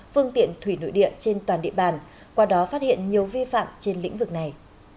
phương tiện thủy nội địa trên toàn địa bàn qua đó phát hiện nhiều vi phạm trên lĩnh vực này